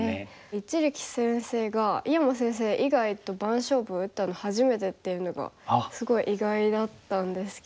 一力先生が井山先生以外と番勝負打ったの初めてっていうのがすごい意外だったんですけど。